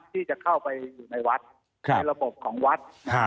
ที่จะเข้าไปอยู่ในวัดในระบบของวัด